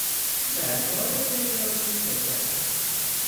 او در کار تجاری خبره است